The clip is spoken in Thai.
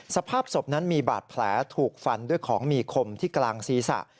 สภาพศพนั้นมีบาดแผลถูกฟันด้วยของมีคมที่กลางศีรษะ